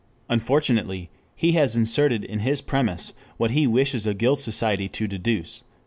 Unfortunately he has inserted in his premise what he wishes a guild society to deduce.